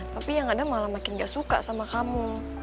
tapi yang ada malah makin gak suka sama kamu